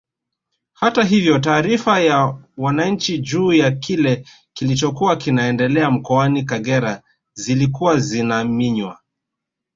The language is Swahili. Hata hivyo taarifa kwa wananchi juu ya kile kilichokuwa kinaendelea mkoani Kagera zilikuwa zinaminywa